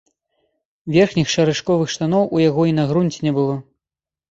Верхніх шарачковых штаноў у яго і на грунце не было.